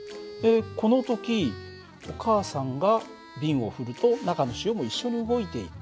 この時お母さんが瓶を振ると中の塩も一緒に動いていく。